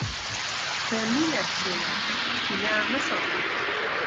په مینه کښېنه، کینه مه ساته.